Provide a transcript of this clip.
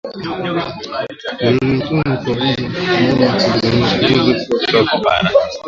Dalili nyingine ya ugonjwa ni wanyama kukondeana na ngozi kuwa chafu